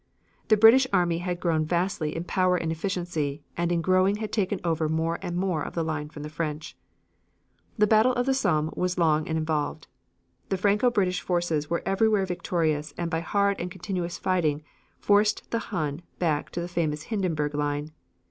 The British army had grown vastly in power and efficiency and in growing had taken over more and more of the line from the French. The battle of the Somme was long and involved. The Franco British forces were everywhere victorious and by hard and continuous fighting forced the Hun back to the famous Hindenburg line.